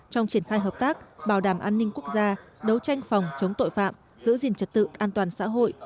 trong triển khai hợp tác bảo đảm an ninh quốc gia đấu tranh phòng chống tội phạm giữ gìn trật tự an toàn xã hội